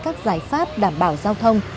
các giải pháp đảm bảo giao thông